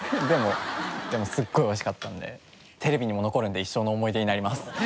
でもすごい美味しかったのでテレビにも残るので一生の思い出になります。